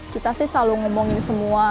kita sih selalu ngomongin semua